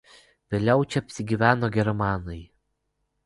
Vėliau čia apsigyveno germanai.